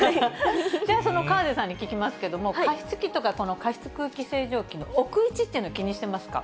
その河出さんに聞きますけれども、加湿器とか加湿空気清浄機の置く位置というのを気にしてますか？